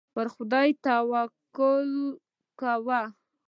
پر خدای توکل کوه.